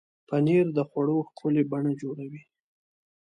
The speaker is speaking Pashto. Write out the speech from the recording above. پنېر د خوړو ښکلې بڼه جوړوي.